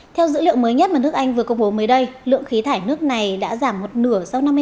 theo dữ liệu mới nhất mà nước anh vừa công bố mới đây lượng khí thải nước này đã giảm một nửa sau năm mươi năm